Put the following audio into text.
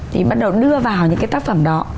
thì bắt đầu đưa vào những cái tác phẩm đó